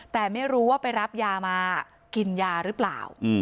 แต่ไม่รู้ว่าไปรับยามากินยาหรือเปล่า